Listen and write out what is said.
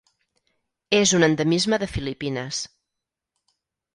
És un endemisme de Filipines.